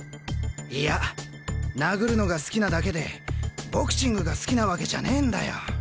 いや殴るのが好きなだけでボクシングが好きなわけじゃねえんだよ。